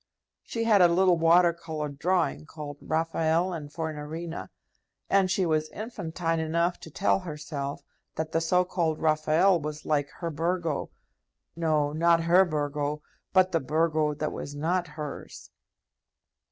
She had a little water coloured drawing called Raphael and Fornarina, and she was infantine enough to tell herself that the so called Raphael was like her Burgo no, not her Burgo, but the Burgo that was not hers.